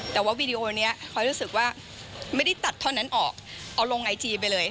แต่ว่าวีดีโอนี้คอยรู้สึกว่าไม่ได้ตัดเท่านั้นออกเอาลงไอจีไปเลย